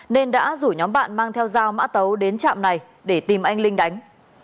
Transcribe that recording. nên đã rủ nhóm bạn mang theo dao mã tấu đến trạm này để tìm anh linh đánh